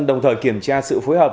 đồng thời kiểm tra sự phối hợp